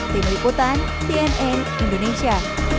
tim liputan tni indonesia